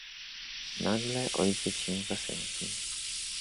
"Nagle ojciec się zasępił."